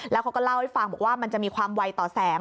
แล้วเขาก็เล่าให้ฟังบอกว่ามันจะมีความไวต่อแสง